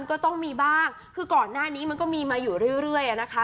ก็ต้องมีบ้างคือก่อนหน้านี้มันก็มีมาอยู่เรื่อยนะคะ